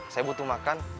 saya butuh makan